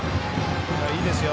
いいですよ。